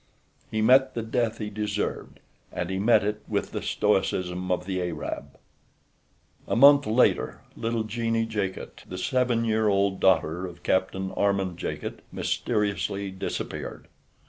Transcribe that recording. He met the death he deserved, and he met it with the stoicism of the Arab. A month later little Jeanne Jacot, the seven year old daughter of Captain Armand Jacot, mysteriously disappeared.